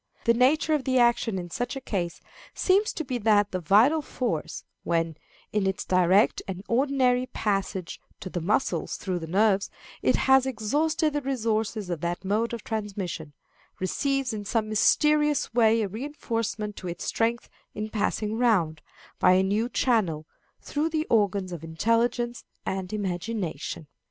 The nature of the action in such a case seems to be that the vital force, when, in its direct and ordinary passage to the muscles through the nerves, it has exhausted the resources of that mode of transmission, receives in some mysterious way a reinforcement to its strength in passing round, by a new channel, through the organs of intelligence and imagination.